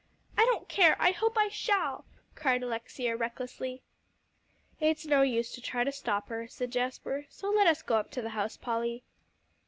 "I don't care I hope I shall," cried Alexia recklessly. "It's no use to try to stop her," said Jasper, "so let us go up to the house, Polly."